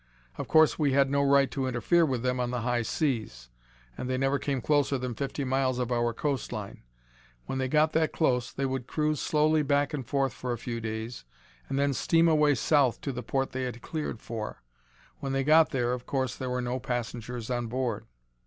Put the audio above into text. Of course, we had no right to interfere with them on the high seas, and they never came closer than fifty miles of our coast line. When they got that close, they would cruise slowly back and forth for a few days and then steam away south to the port they had cleared for. When they got there, of course there were no passengers on board.